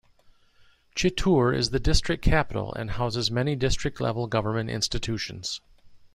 Chittoor is the district capital and houses many district level government institutions.